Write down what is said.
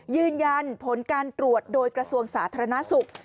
ยืนยันผลการตรวจโดยกระทรวงสาธารณสุข